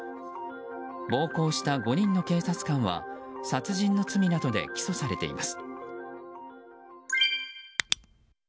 暴行した５人の警察官は殺人の罪などで起訴されています。